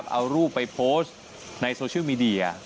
เอารูปไปโพสต์ในโซเชียลมีเดีย